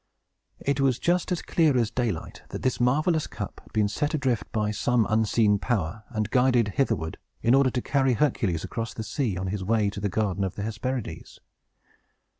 It was just as clear as daylight that this marvelous cup had been set adrift by some unseen power, and guided hitherward, in order to carry Hercules across the sea, on his way to the garden of the Hesperides.